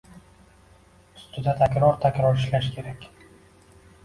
Ustida takror-takror ishlash kerak.